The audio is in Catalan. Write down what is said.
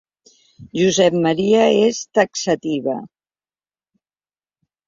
Josep Maria és taxativa.